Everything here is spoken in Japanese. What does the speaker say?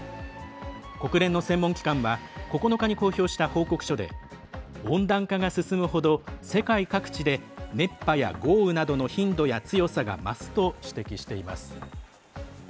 国連の専門機関は９日に公表した報告書で温暖化が進むほど世界各地で熱波や豪雨などの頻度や強さが増すと指摘しています。